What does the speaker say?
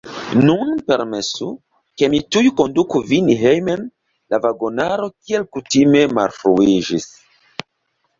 Nun permesu, ke mi tuj konduku vin hejmen; la vagonaro, kiel kutime, malfruiĝis.